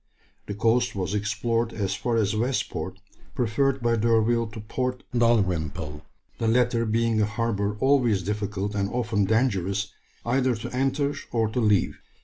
The coast was explored as far as West Port, preferred by D'Urville to Port Dalrymple, the latter being a harbour always difficult and often dangerous either to enter or to leave.